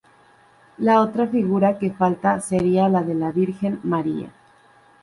La otra figura que falta sería la de la Virgen María.